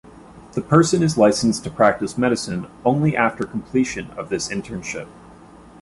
The person is licensed to practice medicine only after completion of this internship.